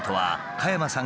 加山さん！